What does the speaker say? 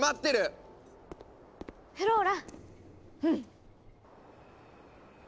うん。